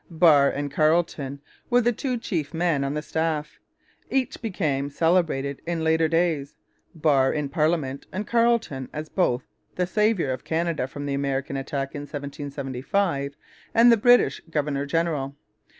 Barre and Carleton were the two chief men on the staff. Each became celebrated in later days, Barre in parliament, and Carleton as both the saviour of Canada from the American attack in 1775 and the first British governor general.